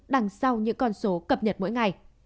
đằng sau những con số cập nhật mỗi ngày